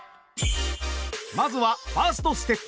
まずはファーストステップ。